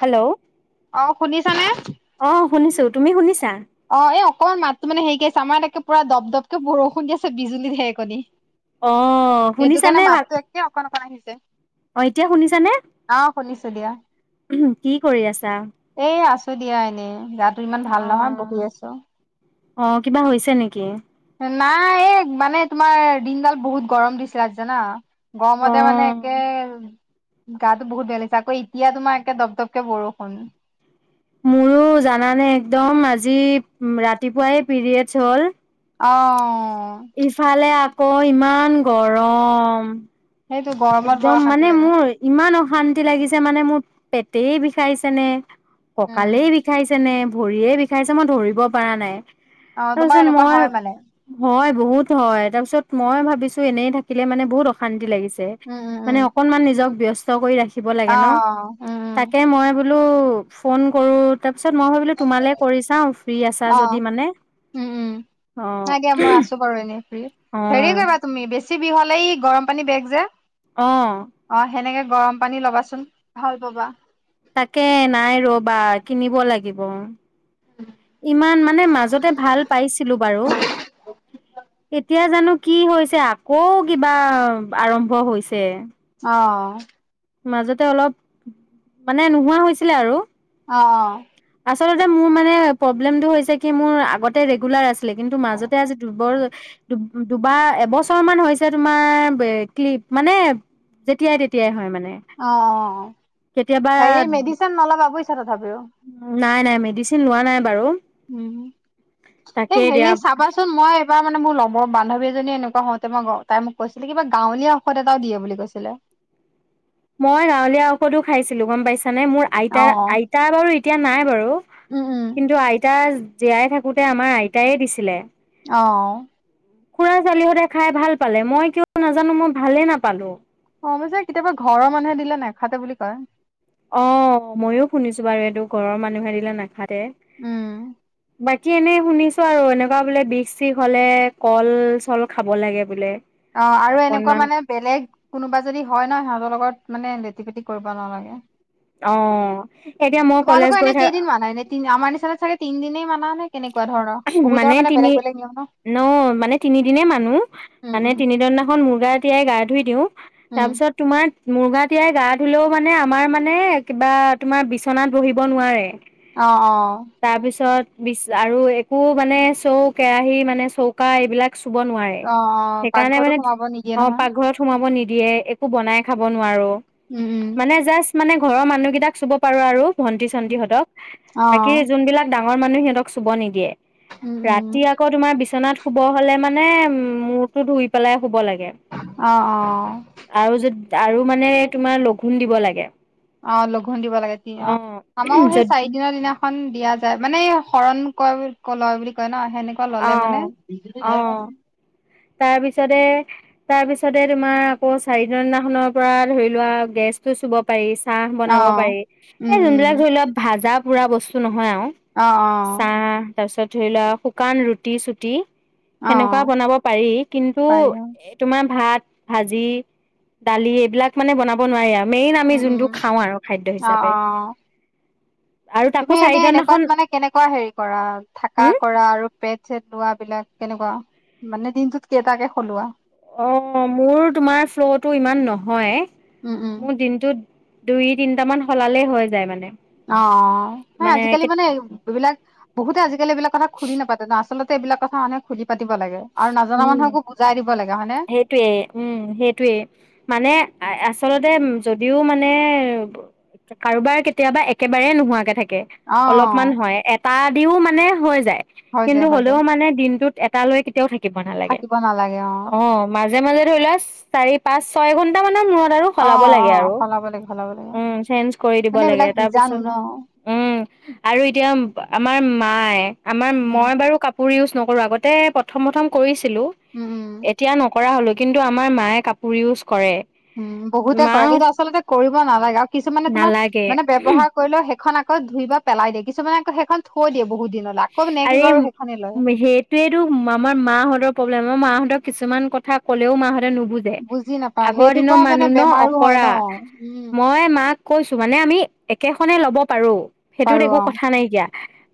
Hello অ' শুনিছানে? শুনিছো তুমি শুনিছ, অ' এ অকণমান মাত টো হেৰি কৰি আছে আমাৰ তকে পৰা দপকে দপকে বৰষুণ দি আছে বিজুলী ঢেৰকণী অ', শুনিছানে ভাল [unintelligible] আহিছে। অ', এতিয়া শুনিছানে? অ শুনিছো দিয়া। কি কৰি আছা? এই আছো দিয়া এনে গাত টো ইমান ভাল নহয় [unintelligible] অ', কিবা হৈছে নেকি? নাই এই মানে তোমাৰ দিনডাল বহুত গৰম দিছিলে আজি জানা অ গৰমতে মানে একে গা টো বহুত বেয়া লাগিছে আকৌ এতিয়া তোমাৰ একে দপ-দপকে বৰষুণ। মোৰো জানানে একদম আজি ৰাতিপুৱাই পিৰিয়ডছ হ'ল। অ'। ইফালে কৈ ইমান গৰম। সেইটো গৰমত বৰ একদম অশান্তি মানে লাগে মোৰ ইমান অশান্তি লাগিছে মানে মোৰ। পেটেই বিষাইছে নে উম কঁকালেই বিষাইছেনে। ভৰিয়ে বিষাইছে মই ধৰিব পাৰা নাই। অ [unintelligible] তোমাৰ চোন এনেকুৱা মই হয় মানে হয়। বহুত হয়, তাৰপিছত মই ভাবিছো এনেই থাকিলে মানে বহুত অশান্তি লাগিছে। উম উম উম মানে অকণমান নিজক ব্যচ ত কৰি ৰাখি ব অ লাগে ন? উম উম তাকে মই বো লো ফোন কৰোঁ তাপিছত মই ভাবিলো তোমালে কৰি চাওঁ ফ্ৰি আছা অ যদি মানে, উম উম অ' নাই দিয়া মই আছো অ'। টিবি হলে ই গৰমপানী বেগ যে। অ' গৰমপানী লবাচোন, ভাল পাবা। তাকে নাই ৰবা কিনিব লাগিব। ইমান মানে মাজতে ভাল পাইছিলো বাৰু, এতিয়া জানো কি হৈছে আকৌ কিবা আৰম্ভ হৈছে। অ' মাজতে অলপ, মানে নোহোৱা হৈছিলে আৰু। অ'। [unintelligible] চলতে মোৰ মানে পবলেমটো হৈছে কি মোৰ আগতে ৰেগুলাৰ আছিল লেকিনটো মাজতে আজি দুৰ্ব্বল দুব দুবাৰ এবছৰ মান হৈছে তোমাৰ বে ক্লি মানে যেতিয়াই তেতিয়াই হয় মানে। অ', কেতিয়াবা হেৰি মেডিচিন নলবা বুইচ। ভাবেঅ। নাই নাই মেডিচিন লোৱানাই বাৰু। ও। তাকে হে দিয়া হেৰি চাবাচোন মই এইবাৰ মানে মও লম। মোৰ বান্ধৱী এজনীয়ে এনেকোৱা হওঁতে মই গ তাই মোক কৈছিলে কিবা গাঁৱলীয়া ঔষধ এটাও দিয়ে বুলি কৈছিলে। মই গাঁৱলীয়া ঔষধো খাইছিলো গম পাইছা। নে মোৰ অ আইতাৰ আইতা বাৰু ইত তিয়া নাই বাৰু। উম উম কিন্তু আইতা জীয়াই থাকোঁতে আমাৰ আইতায়ে দিছিলে। অ'। খুড়া ছোৱালীহতে খাই ভাল পালে। মই কিয় নাজানো মই ভালেই নাপালো। অহ মই যে কেতিয়াবা ঘৰৰ মানুহে দিলে নেখাতে বুলি কয় অহ মইও শুনিছোঁ এইটো ঘৰৰ মানুহে নেখাই টে উম কি এনেই শুনিছো আৰু এনেকুৱা বোলে বিষ চিষ হলে কল চল খাব লাগে বোলে। অ', আৰু এনেকুৱা অকনমান মানে বেলেগ কোনোবা যদি হয়, ন সিহঁতৰ লগত মানে লেত তি পেতি কৰিব নালাগে। অহ, সেইতিয়া মই কলেজ তোমালোকৰ এনে গৈ থাক কেইদিন মানা এনে তিনি আমাৰ নিচিনা চাগে তিনদিনেই মান মানে তিনি বেলেগ নিয়ম ন মানে তিনিদিনে মানো। উম মানে উম তিনিদিনাখন মূৰ গা তিয়াই গা ধুই দিওঁ। তাৰ উম পিছত তোমাৰ মুৰ গা তিয়াই গা ধুলেও মানে আমাৰ মানে কিবা তোমাৰ বিচনাত বহিব নোৱাৰে। অ', অ'। তাৰপিছত বিচ আৰু একো মানে চৌ, কেৰাহী মানে চৌকা এইবিলাক চুব নোৱাৰে অ অ সেইকাৰণে পাকঘৰতো মানে সোমাব নিদিয়ে অ', নহয় পাকঘৰত সোমাব নিদিয়ে একো বনাই খাব নোৱাৰো উম উম মানে জাষ্ট মানে ঘৰৰ মানুহকেইটাক চুব পাৰো আৰু। ভণ্টি চণ্টি হতক অ বাকি যোন বিলাক ডাঙ মৰ মানুহে ক চুব নিদিয়ে। উম উম ৰাতি আকৌ তোমাৰ বিচনাত শুব হলে মানে উ মূৰ টো ধুই পেলাই শুব লাগে। অ অ আৰু যদি আৰু মানে তোমাৰ লঘুণ দিব লাগে। অ লঘোণ দিব লাগে তি অ আমাৰো সেই য'ত চাৰি দিনৰ দিনাখন দিয়া য মানে শৰণ ক লয় বুলি কয় ন সেনেকুৱা অ ললে মানে, তাৰ পিছতে তাৰ পিছতে তোমাৰ আকৌ চাৰিদি দিনাখনৰ পৰা ধৰি লোৱা গেছ টো চুব পাৰিছে চাহ অ বনাব পাৰি উম এই উম যোনবিলাক ধৰি লোৱা ভাজা, বুৰা বস্তু নয় নহয় আৰু অ অ চাহ তাৰপিছত, ধৰি লোৱা শুকান ৰুটি চুটি অ সেনেকুৱা বনাব, পাৰি কিন্তু পাৰি অ এ তোমাৰ ভাত, ভাজি দালি এইবিলাক মানে বনাব নোৱাৰি আৰু মেইন উম আমি উম যোনটো খাওঁ আৰু খাদ্য অ হিচাপে, অ আৰু তাকো তুমি চাৰিটা এনে দিনাখন কেনেকুৱা হেৰী কৰা থাকা হম কৰা আৰু পেট ছেট লোৱা বিলাক, কেনেকুৱা দিনটোত কেইটাকে সলোৱা অহ, মোৰ তোমাৰ ফ্ল'টো ইমান নহয়। উম উম মোৰ দিনটোত দুই তিনিটা সলালে হৈ যায় মানে, অহ অহ এ আজি কালি মানে এইবিলাক বহুতে খুলি নাপাতে আচলতে, এইবিলাক কথা মানে খুলি, পাতিব লাগে আৰু নজনা উম মানুহকো বুজাই দিব লাগে হয়নে সেইটোৱে উম সেইটোৱে মানে আছ, আচলতে যদিও মানে কাৰোবাৰ কেতিয়া একেবাৰে নোহোৱাকে থাকে, [unintelligible] অ অলপ মন হয় এত তাৰ দিউ মানে হৈ যায়। হৈ কিন্তু যায় হৈ হলেও যায় মানে দিনটোত এটা লৈ [unintelligible] থাকিব নালাগে থাকিব নালাগে অ অহ মাজে মাজে ই লাজ, চাৰি পাচ ছয় ঘণ্টা মূৰত, মূৰত অ সলাবা অ লাগে আৰু সলাব লাগে সলাব লাগে উম সেন্সে কৰি দিব মানে লাগে এইবিলাক তাৰ বীজাণু পিছত ন আৰু এতিয়া আমাৰ মায়ে, আমাৰ উম মই বাৰু কাপ কাপোৰ উছ নকৰোঁ আগতে প্ৰথ প্ৰথম প্ৰথম কৰিছ, [unintelligible] উম উম এতিয়া নকৰা হলো। কিন্তু আমাৰ মায়ে কাপোৰ উজ বহুতে কৰে কিন্তু আচলতে কৰিব নালাগে। নালাগে কিছুমানে ব্যৱহাৰ সেইখন আকৌ আকৌ ধুই কে পেলাই দিয়ে কিছুমানে আকৌ থৈ দিয়ে বহুতে, আৰে টো মাহত প্ৰব্লেম মা হতক কিছুমান কথা কলেও মাহত নুবো জে বুজি নাপাওঁ আগৰ সেইটোৰ দিনৰ পৰা মানে মানুহ ন বেমাৰো হয় অঁকৰা ন উম মই মাক কৈছো আমি একেখনে লব পাৰো, সেইটো পাৰো একো অ কথা নাইকিয়া,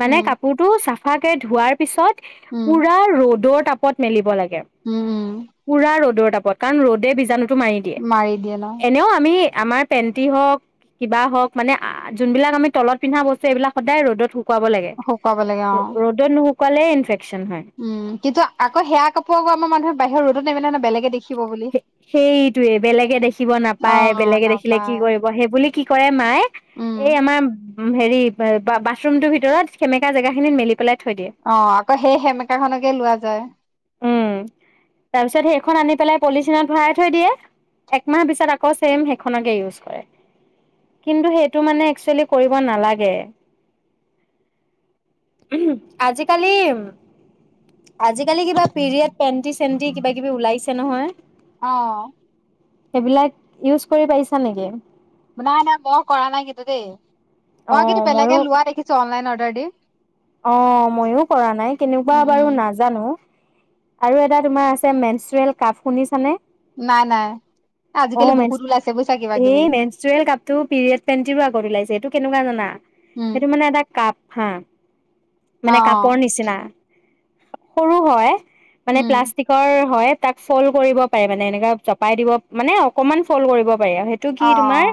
মানে উম কাপো ৰু সাফাকে ধোৱাৰ পিছত, উম পোৰা ৰদত তাপত মেলিব লাগে। উম উম পুৰা ৰদত [unintelligible] পকান ৰদেই বিজানু টো মাৰি দিয়ে মাৰি দিয়ে ন এনেও আমি আমাৰ পেন্টি হওক কিবা হওক মানে জোনবিলাক আমি তলত পিন্ধা বস্তু এইবিলাক সদায় ৰ'দত খুৱাব লাগে। পাব লাগে অ' সুকালে ইনফেকট, উম কিন্তু আকৌ সেয়া কাপোৰবোৰ আমাৰ মানুহে, বাহিৰ ৰদতে নেমেলে নাম বেলেগে দেখি সেইটোৱে বেলেগে দেখিব অ নাপায় বেলেগে দেখিলে কি নাপায় কৰিব সেইবুলি, কি কৰে মায়ে উম এই আমাৰ হেৰি বাথৰুমটোৰ ভিতৰত সেমেকা জেগা খিনিত মেলি পেলাই থৈ দিয়ে আহ আকৌ সেই সেমেকাখনকে লোৱা যায়। উম তাৰপিছত সেইখন আনি পেলাই পলিথিনত ভৰাই থৈ দিয়ে একমাহ পিছত আকৌ ছেম সেইখনকে ইউজ কৰে কিন্তু সেইটো মানে একচুৱেলি কৰিব নালাগে আজিকালি আজিকালি কিবা পিৰিয়ড পেটি চেণ্টি কিবা কিবি ওলাইছে নহয়, আহ! সেইবিলাক ইউজ কৰি পাইছা নেকি? নাই নাই বহ [unintelligible] কৰা নাই কিন্তু দেই মই অ' কিন্তু ময়ো বেলেগে লোৱা দেখিছো অনলাইনত, ড [inaudible] অ' মইও কৰা নাই কেনেকুৱা উম উম। বাৰু নাজানো আৰু এটা তোমাৰ আছে মেনচেৰল কাপ শুনিছানে, নাই নাই অ' আজিকালি বহুত ওলাইছে বুজিছা কিবা মেনচেৰল কিবি। এই মেনচেৰল কাপটো পিৰিয়ড পেন্টিৰো আগত ওলাইছে এইটো কেনেকুৱা জানা উম। সেইটো মানে এটা কাপ হা অ মানে অ কাপৰ নিচিনা, সৰু হয়, মানে উম প্লাষ্টিকৰ হয়, তাক ফল কৰিব পাৰে মানে এনেকা জপাই দিব মানে অকমান ফল কৰিব, আৰু সেইটো কি অ তোমাৰ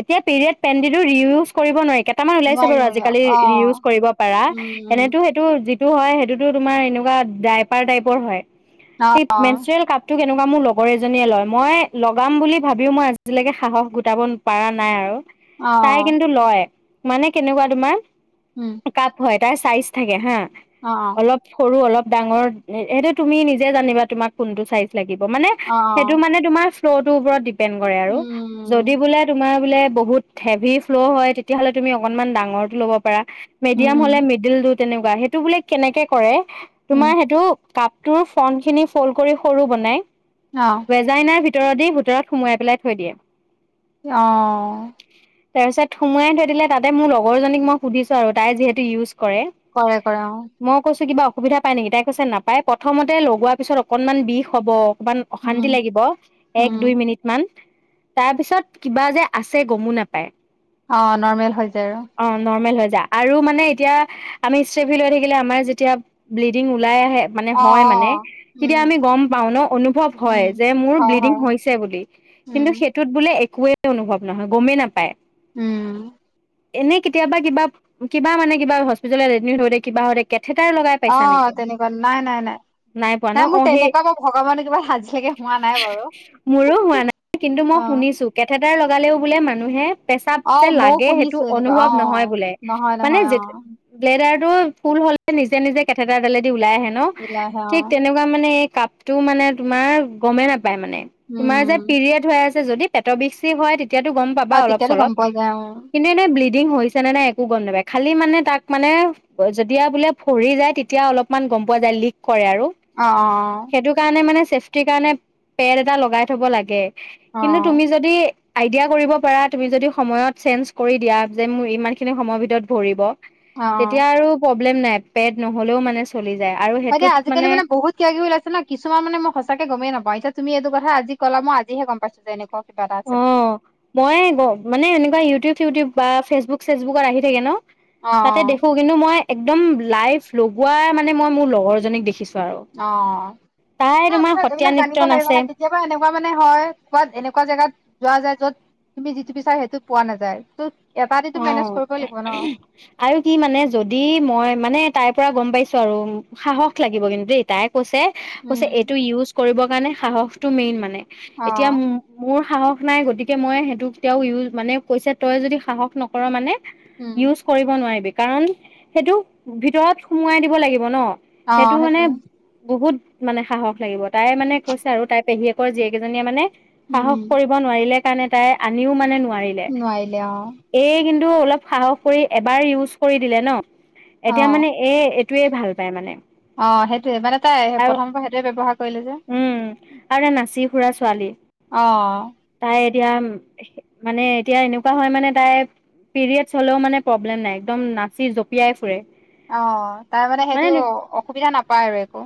এতিয়া পিৰিয়ড পেন্টিটো ৰিইওজ কৰিব নোৱাৰি। কেটামান ওলাইছে নোৱাৰি বাৰু নোৱাৰি অ। আজিকালি ৰিউজ কৰিব পাৰা, উম উম। এনেতো সেইটো যি [unintelligible] হয়, সেইটোতো তোমাৰ এনেকুৱাত ডাইপাৰ টাইপৰ হয়। অ এই অ মেনচেৰেল কাপটো কেনেকু বা মোৰ লগৰ এজনীয়ে লয়, মই লগাম বুলি ভাবিও মই আজিলৈকে সাহস গোটাব পাৰা নাই আৰু। অ তাই অ। কিন্তু লয়। মানে কেনেকুৱা তোমাৰ। উম। কাপ হয়। তাৰ চাইজ থাকে হা। অ অ অলপ সৰু, অলপ ডাঙৰ সেইটো তুমি নিজে জানিবা তোমাক কোনটো চাইছ লাগিব মানে অ অ সেইটো মানে তোমাৰ ফ্লৰ টো ওপৰত দি দ্বিপেন কৰে আৰু‌ যদি উম বোলে তোমাৰ যদি বোলে বহুত হেভী ফ্ললৰ হয় তেতিয়া হলে তুমি আকমণ ডাঙৰ টো ল'ব পাৰা উম মেডিয়াম উম হ'লে ডেভিল দু তেনেকুৱা সেইটো বোলে কেনেকে কৰে? উম। তোমাক সেইটো কাপ তোৰ ফ্ন খিনি ফ্লল কৰি সৰু বনাই। অ বেজাইনাৰ ভি ভিতৰত দি ভিতৰত সোমায়াই থৈয় দিয়ে। অ। তাৰপিছত সোমোৱাই থৈ দিলে তাতে মোৰ লগৰ জনিক মই সুধিছো আৰু তাই যিহেতু ইউজ কৰে কৰে কৰে অ মই কৈছোঁ কিবা অ সুবিধা পায় নেকি? তাই কৈছে নাপায় প্ৰথমতে লগোৱাৰ পিছত অকণমান বিষ হ'ব অকণমান উম অশান্তি লাগিব এই উম। দুই মিনিট মান তাৰ পিছত কিবা যে আছে গমো নেপায়। অ, নৰ্মেল হৈ যায়। নৰ্মেল হৈ আৰু মানে এতিয়া আমি সেভিলাৰি গিলা আমাৰ যেতিয়া ব্লিডিং ওলায় আহে মানে অ হয় মানে অ তেতিয়া উম আমি গম পাওঁ ন অনুভৱ উম। যে মোৰ হয় ব্লিডিং হয় হৈছে বুলি উম কিন্তু সেইটো বোলে এ একো অনুভৱ নহয় গমেই নাপায় উম, এনে কেতিয়াবা কিবা - কিবা মানে কিবা হস্পিটাল এডমিদ হৈ থাকে। অ তেনেকুৱা নাই নাই নাই নাই পোৱা ন সেয়া অ মোৰ সেই বা মোৰ ভগৱানে কৃপাত আজিলেকে হোৱা নাই বাৰু অ সদায় লগালেও বোলে মানুহে পেচাত অ যে মইও লাগে। শুনিছো এনেকুৱা অনুভৱ অ নহয় বোলে নহয় মানে নহয় অ যেতিয়া লেদাৰ টো ফুল হলে নিজে নিজে কেমেৰাৰ তলেদি উ ওলায় আহে ন ওলাই আহে অ থিক তেনেকুৱা মানে কাপটো মানে তোমাৰ, গমে নাপ নাই মানে, তোমাৰ যে উম পিৰিয়ড হৈ আছ যদি পেটৰ বিষ চিষ হয় তেতিয়াটো গম পাবা অ অলপ তেতিয়াতো গম সলপ পোৱা যায় অ নাই ব্লিদিং হৈছে নে নাই একো গম নাপাই, খালি মানে তাক মানে, যেতিয়া বোলে ফুৰি যায় অলপমান গম পোৱা যায় লিক কৰে আৰু, অ সেইতো কাৰণে মানে চেফটি কাৰণে, পেদ এটা লগাই থব লাগে। অ কিন্তু, তুমি যদি আইডিয়া কৰিব পাৰা, তুমি যদি সময়ত চেঞ্জ কৰি দিয়া যে, মোৰ ইমান খিনি সময়ৰ ভিতৰত ভৰিব। অ অ তেতিয়া আৰু [unintelligible] প্ৰব্লেম নাই পেদ নহ'লেও মানে চলি যায়। আৰু হয় দিয়া, সেইটোত আজাকালি মানে বহুত কিবা কিবি ওলাইছে ন, কিছুমান মানে সচাকে গমেই নাপাও এতিয়া তুমি এইটো কথা আজি কলা, মই আজিহে গম পাইছো যে এনেকুৱা। কিবা এটা আছে বুলি অ', মই মানে এনেকুৱা ইউটিউব, চিউটিউব বা ফেচবুক, চেচবুকত আহি থাকে ন? অ তাতে দেখো কিন্তু মই একদম লাইভ লগোৱা মানে, মই মোৰ লগৰজনীক দেখিছো। আৰু অ', তাই নাই তোমাৰ পিছে সত্ৰীয়া এইবিলাক নৃত্য জানিব লাগে নাচে নহয় কেতিয়াবা এনেকুৱা মানে হয় কবাত এনেকুৱা জেগাত যোৱা যায়, য'ত তুমি যিটো বিছাৰা সেইটো পোৱা নাযায় ত'ত অ' আৰু কি মানে, যদি মই মানে তাইৰ পৰা গম পাইছো আৰু, সাহস লাগিব কিন্তুে দেই তাই কৈছে, উম কৈছে এটো ইউজ কৰিব মানে, সাহসটো মেইন মানে। অ এতিয়া, মোৰ সাহস নাই, গতিকে মই, সেটো তেওঁ ইউ মানে কৈছে, তই যদি সাহস নকৰ মানে উম ইউজ কৰিব নোৱাৰিবি। কাৰণ, সেইটো ভিতৰত সুমোৱাই দিব লাগিব ন? অ সেইটো মানে, সেইটোয়ে বহুত মানে সাহস লাগিব, তাই মানে কৈছে আৰু তাইৰ পেহীয়েকৰ জীয়েকেইজনীয়ে মানে উম সাহস উম কৰিব নোৱাৰিলে সেই কাৰণে তাই, আনিও মানে নো নোৱাৰিলে অ! কিন্তু, অলপ সাহস কৰি এবাৰ ইউজ কৰি দিলে ন অ এতিয়া মানে, এ টোৱে ভাল পায় মানে। অ' সেইটোয়ে, মানে তাই আৰু প্ৰথমৰপৰা সেইটোৱে ব্যৱহাৰ কৰিলে যে উম! আৰু তাই নাচি ফুৰা ছোৱালী, অ তাই এতিয়া মানে, এতিয়া এনেকুৱা হয় মানে তাইৰ পিৰিয়ডছ, হলেও মানে প্ৰব্লেম নাই একদম নাচি জঁপিয়াই ফুৰে। অ', তাই মানে সেইটো অসুবিধা নাপায় আৰু একো।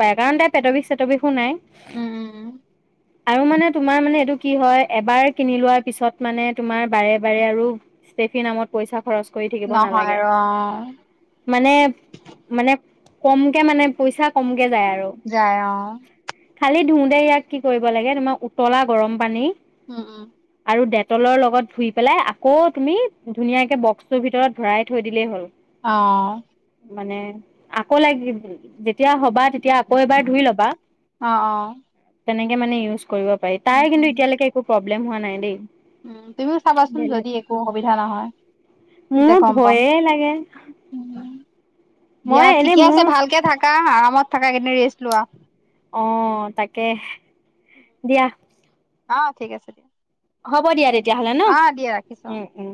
পায় কাৰণ তাত পেট বিষ চেট বিষো নাই। উম উম উম [inaudible] আৰু মানে তোমাৰ মানে এইটো। কি হয় এবাৰ কিনি লোৱাৰ পিছত মানে তোমাৰ বাৰে বাৰে আৰু, ষ্টেফি নামত পইচা খৰচ কৰি থাকিব নহয় নালাগে। আৰু অ মানে, মানে কমকে মানে পইচা কম। কে যায় আৰু [unintelligible] খালি ধুওতে ইয়াক কি কৰিব লাগে তোমাৰ উতলা গৰম পানী উম, উম। আৰু ডেটলৰ লগত ধুই পেলাই আকৌ তুমি ধুনীয়াকে বক্সটোৰ ভিতৰত ভৰাই থৈ দিলেই হ'ল। অ'। মানে, আকৌ লাগি যেতিয়া হ'বা তেতিয়া আকৌ এবাৰ ধুই লবা, অ অ তেনে মানে ইউজ কৰিব পাৰি তাই উম কিন্তু উম এতিয়ালৈকে একো প্ৰ প্ৰব্লেম হোৱা নাই দেই। উম, তুমিও চাবাচোন বেলেগ যদি একো অসুবিধা নহয়, তেতিয়া মোৰ গম পাম। ভয়ে লাগে দিয়া মই এনে ঠিকে আছে মোৰ ভালকে থাকা আ কামত থাকা কিন্ত ৰেষ্ট লোৱা। অ', তাকে, দিয়া। অ', ঠিক আছে। হ'ব দিয়া তেতিয়াহ'লে ন? অ দিয়া ৰাখিছো অ উম, উম।